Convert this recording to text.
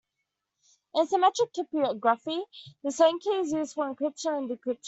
In symmetric cryptography the same key is used for encryption and decryption.